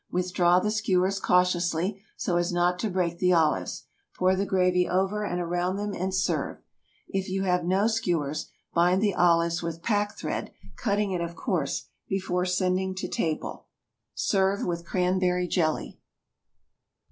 Withdraw the skewers cautiously, so as not to break the olives; pour the gravy over and around them, and serve. If you have no skewers, bind the olives with pack thread, cutting it, of course, before sending to table. Serve with cranberry jelly.